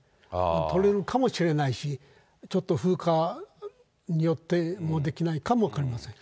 取れるかもしれないし、ちょっと風化によって、もうできないかも分かりません。